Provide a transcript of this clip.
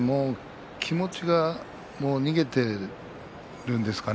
気持ちが逃げているんですかね。